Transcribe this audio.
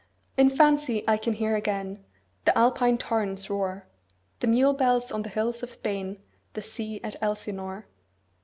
In fancy I can hear again The Alpine torrent's roar, The mule bells on the hills of Spain, 15 The sea at Elsinore.